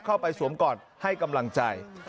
เข้าไปสวมกอดให้กำลังใจ